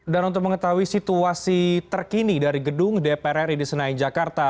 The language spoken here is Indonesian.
dan untuk mengetahui situasi terkini dari gedung dpr ri di senayan jakarta